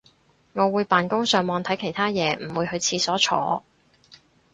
我會扮工上網睇其他嘢唔會去廁所坐